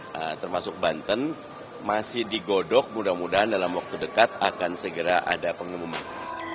nah termasuk banten masih digodok mudah mudahan dalam waktu dekat akan segera ada pengumuman